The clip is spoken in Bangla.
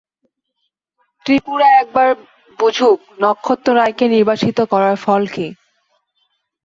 ত্রিপুরা একবার বুঝুক, নক্ষত্ররায়কে নির্বাসিত করার ফল কী।